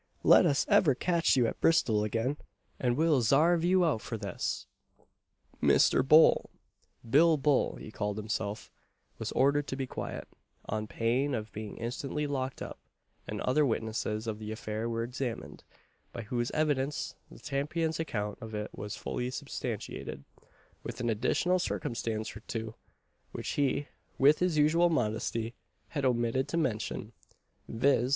let us ever catch you at Bristol again, and we'll zarve you out for this!" Mr. Bull Bill Bull, he called himself was ordered to be quiet, on pain of being instantly locked up; and other witnesses of the affair were examined, by whose evidence the Champion's account of it was fully substantiated, with an additional circumstance or two, which he, with his usual modesty, had omitted to mention, viz.